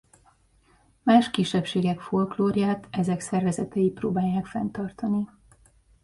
Más kisebbségek folklórját ezek szervezetei próbálják fenntartani.